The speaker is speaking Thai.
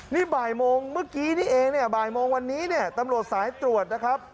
นี่บ่ายโมงเมื่อกี้นี่เองเนี่ยบ่ายโมงวันนี้เนี่ยตำรวจสายตรวจนะครับ